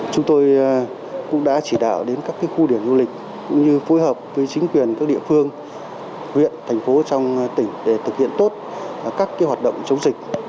chúng tôi cũng đã chỉ đạo đến các khu điểm du lịch cũng như phối hợp với chính quyền các địa phương huyện thành phố trong tỉnh để thực hiện tốt các hoạt động chống dịch